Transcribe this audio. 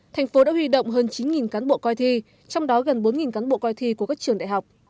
thành phố đã huy động hơn chín cán bộ coi thi trong đó gần bốn cán bộ coi thi của các trường đại học